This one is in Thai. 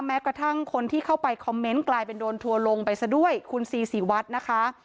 แม้กระทั่งคนที่เข้าไปคอมเมนต์กลายเป็นโดนทัวร์ลงไปซะด้วยคุณซีศรีวัฒน์นะคะ